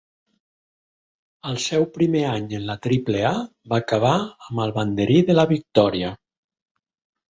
El seu primer any en la Triple A va acabar amb el banderí de la victòria.